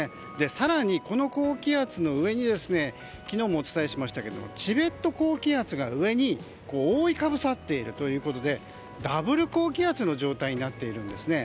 更に、この高気圧の上に昨日もお伝えしましたけどチベット高気圧が覆いかぶさっているということでダブル高気圧の状態になっているんですね。